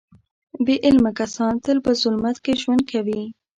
بې علمه کسان تل په ظلمت کې ژوند کوي.